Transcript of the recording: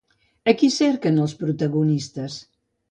A qui cerquen els protagonistes?